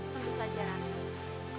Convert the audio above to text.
tentu saja rani